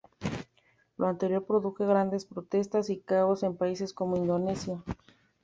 Lo anterior produjo grandes protestas y caos en países como Indonesia.